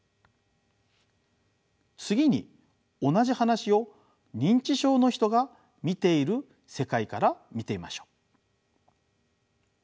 次に同じ話を認知症の人が見ている世界から見てみましょう。